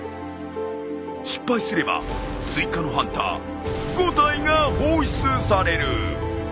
失敗すれば追加のハンター５体が放出される。